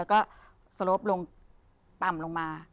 แล้วก็สโลปลงต่ำลงมา